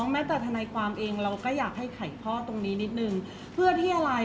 เพราะว่าสิ่งเหล่านี้มันเป็นสิ่งที่ไม่มีพยาน